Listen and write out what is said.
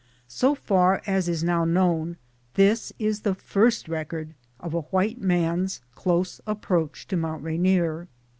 So far as is now known, this is the first record of a white man's close approach to Mount Rainier.